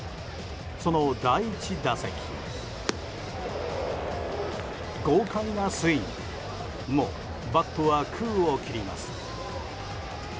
その第１打席豪快なスイングもバットは空を切ります。